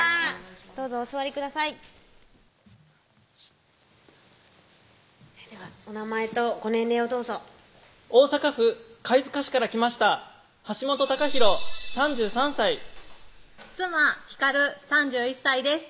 どうぞお座りくださいではお名前とご年齢をどうぞ大阪府貝塚市から来ました橋本隆洋３３歳妻・ひかる３１歳です